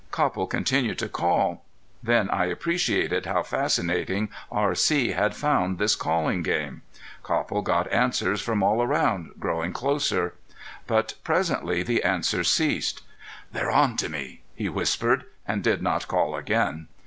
Copple continued to call. Then I appreciated how fascinating R.C. had found this calling game. Copple got answers from all around, growing closer. But presently the answers ceased. "They're on to me," he whispered and did not call again.